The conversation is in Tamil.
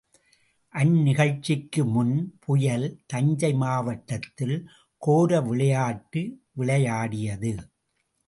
அந்நிகழ்ச்சிக்கு முன், புயல், தஞ்சை மாவட்டத்தில், கோர விளையாட்டு விளையாடியது.